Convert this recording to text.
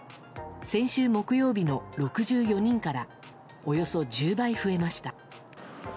先週木曜日の６４人からおよそ１０倍、増えました。